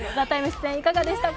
出演いかがでした？